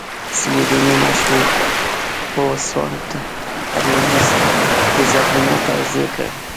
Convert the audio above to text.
سویډنۍ مشهور پوه سوانت ارینوس تیزابونه توضیح کړل.